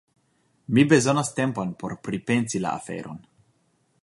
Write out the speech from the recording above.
Mi bezonas tempon por pripensi la aferon.